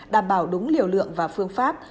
đảm bảo đúng liều lượng và phương pháp